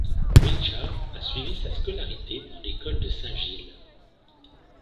Wilchar a suivi sa scolarité dans l'école de Saint-Gilles.